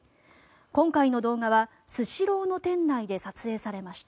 今回の動画はスシローの店内で撮影されました。